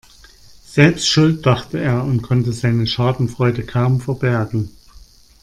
Selbst schuld, dachte er und konnte seine Schadenfreude kaum verbergen.